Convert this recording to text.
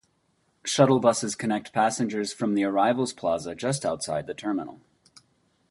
Shuttle buses connect passengers from the arrivals plaza just outside the terminal.